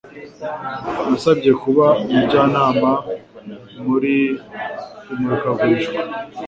Nasabye kuba umujyanama muri imurikagurisha.